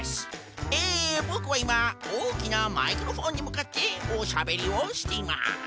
えボクはいまおおきなマイクロフォンにむかっておしゃべりをしています。